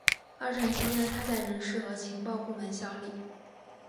二战期间他在人事和情报部门效力。